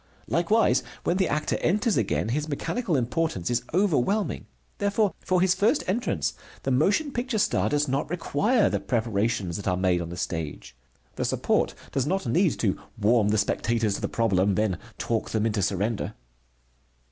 Likewise, when the actor enters again, his mechanical importance is overwhelming. Therefore, for his first entrance the motion picture star does not require the preparations that are made on the stage. The support does not need to warm the spectators to the problem, then talk them into surrender.